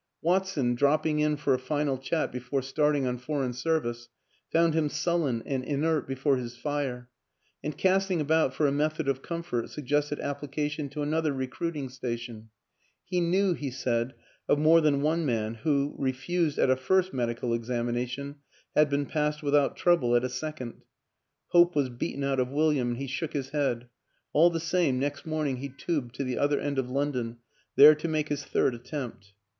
WILLIAM AN ENGLISHMAN 237 Watson, dropping in for a final chat before start ing on foreign service, found him sullen and inert before his fire, and, casting about for a method of comfort, suggested application to another re cruiting station; he knew, he said, of more than one man who, refused at a first medical examina tion, had been passed without trouble at a second. Hope was beaten out of William and he shook his head ... all the same, next morning he tubed to the other end of London, there to make his third attempt.